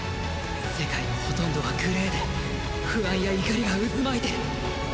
世界のほとんどはグレーで不安や怒りが渦巻いてる。